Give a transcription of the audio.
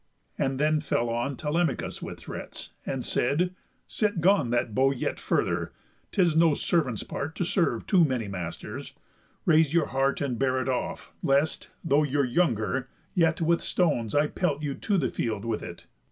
And then fell on Telemachus with threats, and said: "Set gone That bow yet further; 'tis no servant's part To serve too many masters; raise your heart And bear it off, lest, though you're younger, yet With stones I pelt you to the field with it.